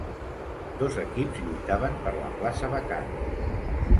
Dos equips lluitaven per la plaça vacant.